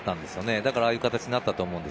だからああいう形になったと思います。